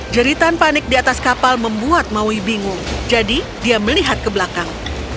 jeritan panik di atas kapal membuat maui bingung jadi dia melihat ke belakang